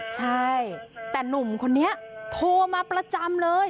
ใช่แต่หนุ่มคนนี้โทรมาประจำเลย